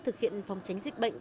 thực hiện phòng tránh dịch bệnh